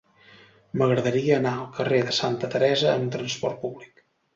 M'agradaria anar al carrer de Santa Teresa amb trasport públic.